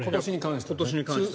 今年に関しては。